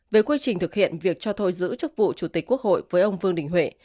về quy trình thực hiện việc cho thôi giữ chức vụ chủ tịch quốc hội với ông vương đình huệ